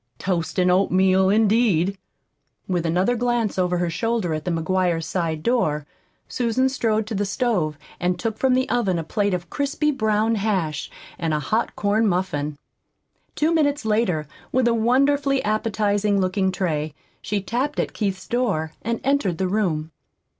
Toast an' oatmeal, indeed!" With another glance over her shoulder at the McGuire side door Susan strode to the stove and took from the oven a plate of crisply browned hash and a hot corn muffin. Two minutes later, with a wonderfully appetizing looking tray, she tapped at Keith's door and entered the room.